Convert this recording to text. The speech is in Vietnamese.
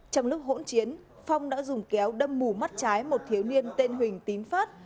trong lúc hỗn chiến phong đã dùng kéo đâm mù mắt trái một thiếu niên tên huỳnh tín phát